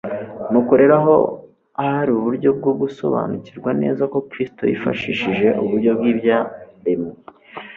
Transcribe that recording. nuko rero aho hari uburyo bwo gusobanukirwa neza ko Kristo yifashishije uburyo bw'ibyaremwe.